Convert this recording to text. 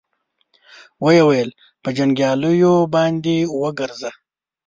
ويې ويل: په جنګياليو باندې وګرځه.